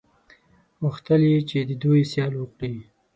غوښتل یې چې د دوی سیل وکړي.